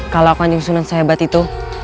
kalau kan jungsunan sehebat itu